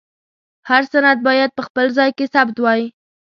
هر سند باید په خپل ځای کې ثبت وای.